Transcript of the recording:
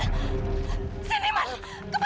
kejar orang itu man